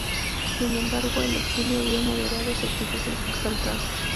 Sin embargo, el exilio había moderado su actitud exaltada.